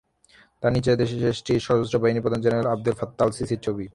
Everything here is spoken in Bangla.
তার নিচে ছিল দেশটির সশস্ত্র বাহিনীর প্রধান জেনারেল আবদেল ফাত্তাহ আল-সিসির ছবি।